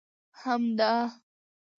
همدا!